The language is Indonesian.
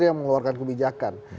ada yang mengeluarkan kebijakan